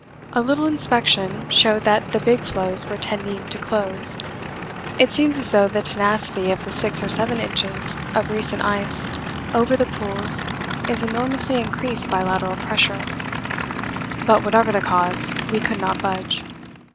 A little inspection showed that the big floes were tending to close. It seems as though the tenacity of the 6 or 7 inches of recent ice over the pools is enormously increased by lateral pressure. But whatever the cause, we could not budge.